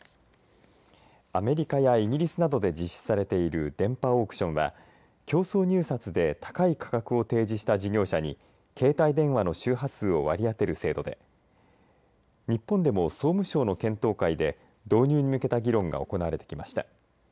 アメリカやイギリスなどで実施されている電波オークションは、競争入札で高い価格を提示した事業者に携帯電話の周波数を割り当てる制度で日本でも総務省の検討会で導入に向けた議論が行われてきました。